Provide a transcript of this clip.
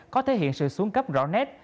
có thể hiện sự xuống cấp rõ nét